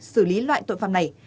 xử lý loại tội phạm này